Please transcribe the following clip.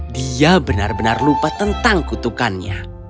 dia benar benar lupa tentang kutukannya